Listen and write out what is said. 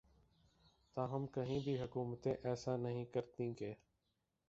تاہم کہیں بھی حکومتیں ایسا نہیں کرتیں کہ